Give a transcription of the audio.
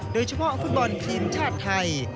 โดยเฉพาะฟุตบอลทีมชาติไทย